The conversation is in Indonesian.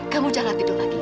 kamu jangan tidur lagi